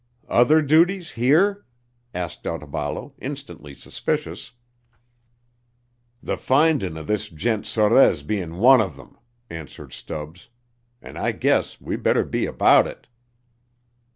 "Other duties here?" asked Otaballo, instantly suspicious. "The findin' of this gent Sorez bein' one of 'em," answered Stubbs. "An' I guess we better be about it."